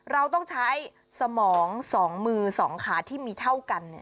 เราต้องใช้สมอง๒มือ๒ขาที่มีเท่ากัน